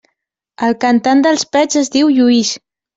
El cantant dels Pets es diu Lluís.